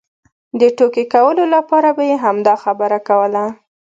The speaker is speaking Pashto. د ټوکې کولو لپاره به یې همدا خبره کوله.